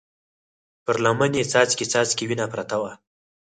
پر لمن يې څاڅکي څاڅکې وينه پرته وه.